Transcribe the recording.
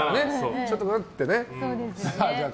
ちょっとわってね。